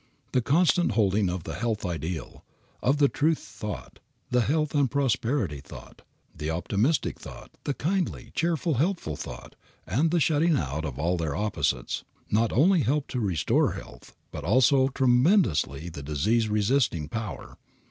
The constant holding of the health ideal, of the truth thought, the health and prosperity thought, the optimistic thought, the kindly, cheerful, helpful thought and the shutting out of all their opposites, not only help to restore health, but also increase tremendously the disease resisting power.